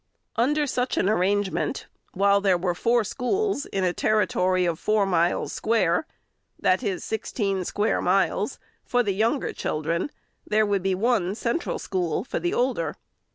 Under such an arrangement, while there were four schools in a territory of four miles square, i. e. sixteen square miles, for the younger children, there would be one central school for the older.